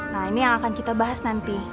nah ini yang akan kita bahas nanti